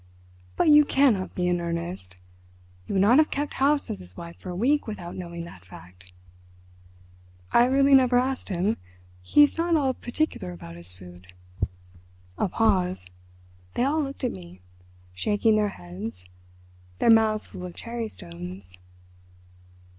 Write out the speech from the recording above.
"But you cannot be in earnest! You would not have kept house as his wife for a week without knowing that fact." "I really never asked him; he is not at all particular about his food." A pause. They all looked at me, shaking their heads, their mouths full of cherry stones.